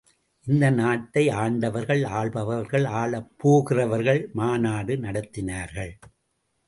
இந்த நாட்டை ஆண்டவர்கள், ஆள்பவர்கள், ஆளப்போகிறவர்கள் மாநாடு நடத்தினார்கள்.